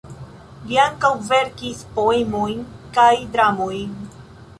Li ankaŭ verkis poemojn kaj dramojn.